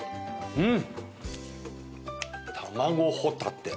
うん！